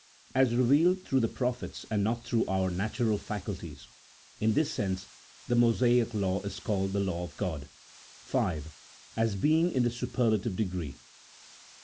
As revealed through the prophets and not through our natural faculties. In this sense the Mosaic law is called the law of G od. (5.) As being in the superlative degree.